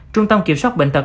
trung tâm kiểm soát bệnh tật